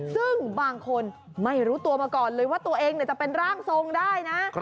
ซึ่งบางคนไม่รู้ตัวมาก่อนเลยว่าตัวเองจะเป็นร่างทรงได้นะ